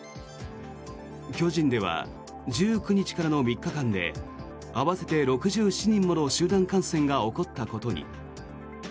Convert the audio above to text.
巨人では１９日からの３日間で合わせて６７人もの集団感染が起こったことに。